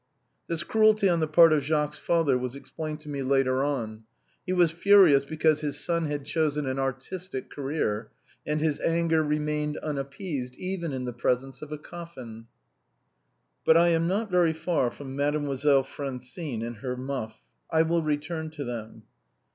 This cruelty on the part of Jacques's father was ex plained to me later on. He was furious because his son had chosen an artistic career, and his anger remained un appeased even in the presence of a coffin. But I am very far from Mademoiselle Francine and her muff. I will return to them.